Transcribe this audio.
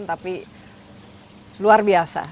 tapi luar biasa